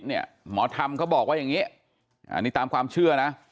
หมอธรรมเขาบอกว่าอย่างนี้อันนี้ตามความเชื่อนะ